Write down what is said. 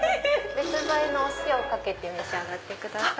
別添えのお塩をかけて召し上がってください。